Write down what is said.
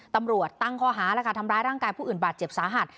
ตำรวจตั้งข้อหาแล้วค่ะทำร้ายร่างกายผู้อื่นบาดเจ็บสาหัส